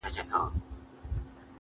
طبله، باجه، منگی، سیتار، رباب، ه یاره.